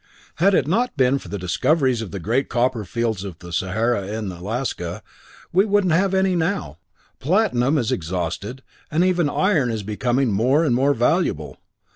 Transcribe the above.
Had it not been for the discoveries of the great copper fields of the Sahara and in Alaska, we wouldn't have any now. Platinum is exhausted, and even iron is becoming more and more valuable.